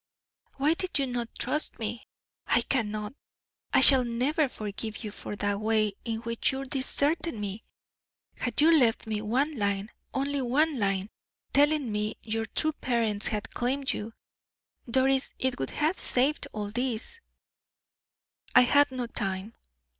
"Why did you not trust me! I cannot I shall never forgive you for the way in which you deserted me. Had you left me one line only one line telling me your true parents had claimed you, Doris, it would have saved all this." "I had not time."